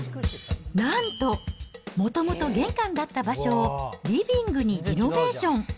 なんと、もともと玄関だった場所をリビングにリノベーション。